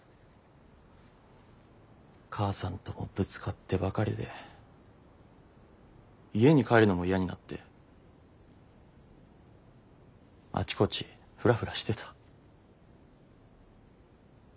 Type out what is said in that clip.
母さんともぶつかってばかりで家に帰るのも嫌になってあちこちフラフラしてた。